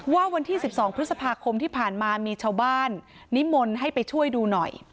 วันที่๑๒พฤษภาคมที่ผ่านมามีชาวบ้านนิมนต์ให้ไปช่วยดูหน่อย